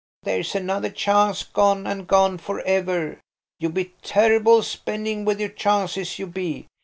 "There's another chance gone, and gone for ever. You be terrible spending with your chances, you be.